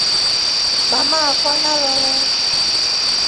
Mama akwa nalilole.